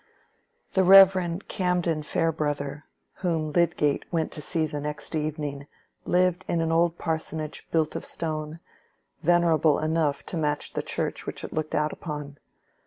The Rev. Camden Farebrother, whom Lydgate went to see the next evening, lived in an old parsonage, built of stone, venerable enough to match the church which it looked out upon.